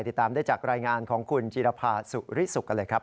ติดตามได้จากรายงานของคุณจีรภาสุริสุกกันเลยครับ